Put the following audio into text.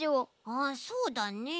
ああそうだね。